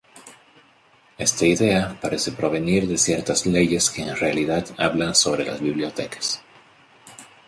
Esta idea parece provenir de ciertas leyes que en realidad hablan sobre las bibliotecas.